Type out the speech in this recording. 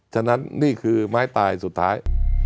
ฉะนั้นนี่คือไม้ตายสุดท้าย